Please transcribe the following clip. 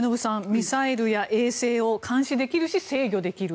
ミサイルや衛星を監視できるし制御できる。